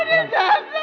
aku mau pergi dari sini